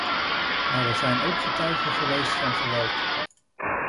Maar we zijn ook getuige geweest van geweld.